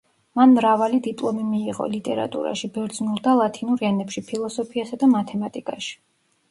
მან მრავალი დიპლომი მიიღო: ლიტერატურაში, ბერძნულ და ლათინურ ენებში, ფილოსოფიასა და მათემატიკაში.